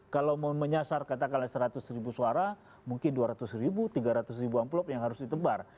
kalau mau menyasar katakanlah seratus ribu suara mungkin dua ratus ribu tiga ratus ribu amplop yang harus ditebar